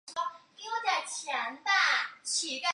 在运动科学主要是由运动医学的美国大学的认可。